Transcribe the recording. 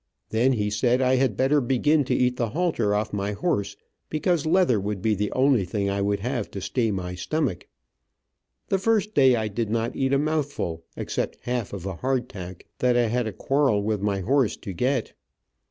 Then he said I better begin to eat the halter off my horse, because leather would be the only thing I would have to stay my stomach. The first day I did not eat a mouthful, except half of a hard tack that I had a quarrel with my horse to get.